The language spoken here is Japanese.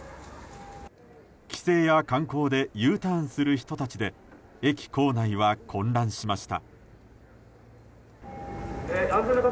帰省や観光でＵターンする人たちで、駅構内は混乱しました。